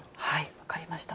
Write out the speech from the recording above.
分かりました。